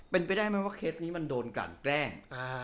เป็นไปได้เปล่าว่าเคสนี้มันโดนการแต้ง